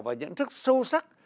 và nhận thức sâu sắc